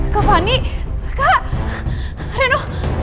kak fani kak reno